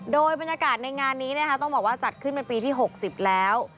โดยบรรยากาศในงานนี้ต้องบอกว่าจัดขึ้นเป็นปีที่๖๐แล้ว